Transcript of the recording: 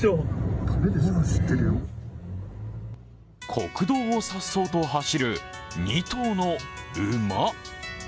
国道をさっそうと走る２頭の馬。